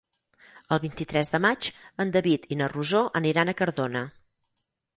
El vint-i-tres de maig en David i na Rosó aniran a Cardona.